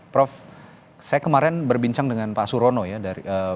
prof saya kemarin berbincang dengan pak surono ya